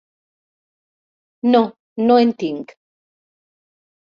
No, no en tinc.